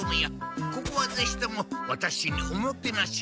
ここはぜひともワタシにおもてなしを。